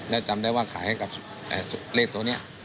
และจำได้ว่าขายให้กับเลขตัวนี้